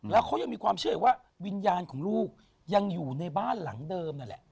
แล้วเขายังมีความเชื่ออีกว่าวิญญาณของลูกยังอยู่ในบ้านหลังเดิมนั่นแหละ